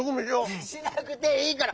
しなくていいから！